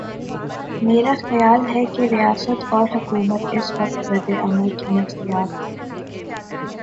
میرا خیال ہے کہ ریاست اور حکومت اس وقت رد عمل کی نفسیات میں ہیں۔